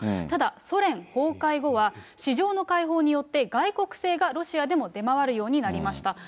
ただソ連崩壊後は、市場の開放によって外国製がロシアでも出回るようになりました。